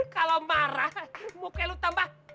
kalau marah muka lo tambah